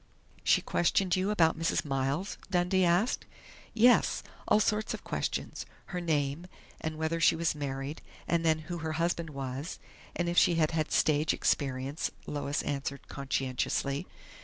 "She questioned you about Mrs. Miles?" Dundee asked. "Yes. All sorts of questions her name, and whether she was married and then who her husband was, and if she had had stage experience," Lois answered conscientiously.